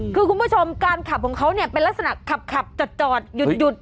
คือคุณผู้ชมการขับของเขาเนี่ยเป็นลักษณะขับจอดหยุด